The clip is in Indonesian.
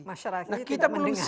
masyarakat tidak mendengarkan